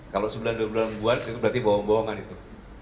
kalau sembilan dua bulan buat itu berarti bohong bohongan itu